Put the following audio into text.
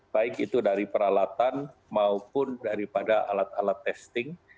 baik itu dari peralatan maupun daripada alat alat testing